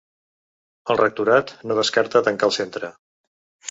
El rectorat no descarta tancar el centre.